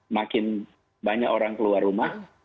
makin banyak orang keluar rumah